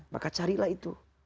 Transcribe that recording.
maka carilah itu